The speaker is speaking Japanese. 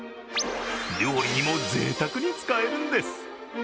料理にもぜいたくに使えるんです。